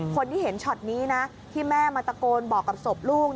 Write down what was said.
คนที่เห็นช็อตนี้นะที่แม่มาตะโกนบอกกับศพลูก